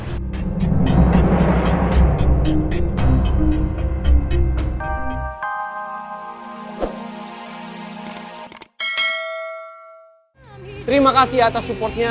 terima kasih atas supportnya